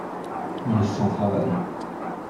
Il est sans travail.